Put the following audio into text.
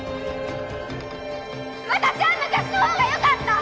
私は昔のほうがよかった！